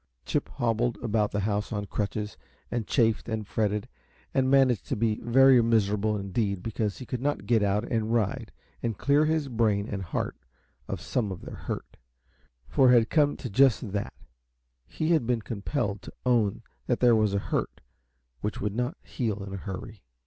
Chip hobbled about the house on crutches, and chafed and fretted, and managed to be very miserable indeed because he could not get out and ride and clear his brain and heart of some of their hurt for it had come to just that; he had been compelled to own that there was a hurt which would not heal in a hurry.